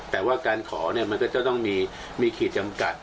แต่ว่าการขอมันก็จะต้องมีขีดจำกัด